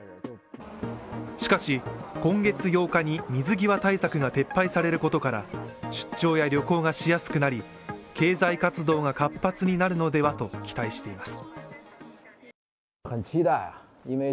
しかし、今月８日に水際対策が撤廃されることから、出張や旅行がしやすくなり経済活動が活発になるのではと期待しています。